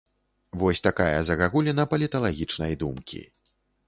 Вось такая загагуліна паліталагічнай думкі.